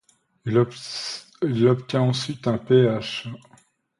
Il obtient ensuite un Ph.